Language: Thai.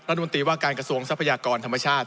รัฐมนตรีว่าการกระทรวงทรัพยากรธรรมชาติ